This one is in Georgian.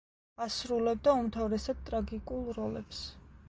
ასრულებდა უმთავრესად ტრაგიკულ როლებს.